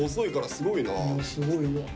すごいよ。